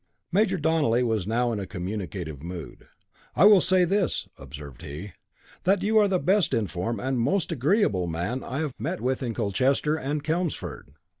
Major Donelly was now in a communicative mood. "I will say this," observed he; "that you are the best informed and most agreeable man I have met with in Colchester and Chelmsford."